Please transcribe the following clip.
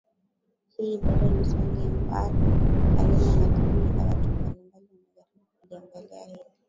Hili bado ni swali ambalo halina majibu ila watu mbalimbali wamejaribu kuliongelea hili